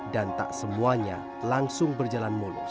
dan tak semuanya langsung berjalan mulus